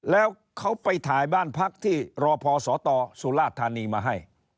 แล้วเขาไปถ่ายบ้านพักที่รอพอสตสุราธานีมาให้